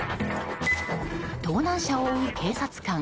盗難車を追う警察官。